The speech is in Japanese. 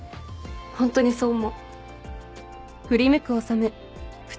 ホントにそう思う。